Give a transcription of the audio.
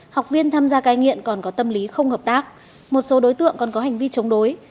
học viên tham gia cai nghiện còn có tâm lý không hợp tác một số đối tượng còn có hành vi chống đối